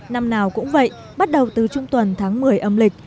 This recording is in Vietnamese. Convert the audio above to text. năm nào cũng vậy bắt đầu từ trung tuần tháng một mươi âm lịch